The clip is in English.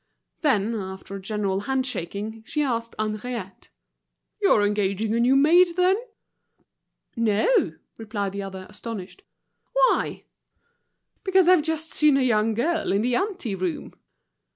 Then, after a general hand shaking, she asked Henriette: "You're engaging a new maid, then?" "No," replied the other, astonished. "Why?" "Because I've just seen a young girl in the ante room."